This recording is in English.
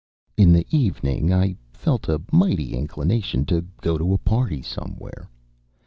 In the evening I felt a mighty inclination to go to a party somewhere.